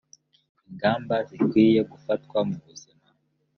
ingamba zikwiye gufatwa mu buzima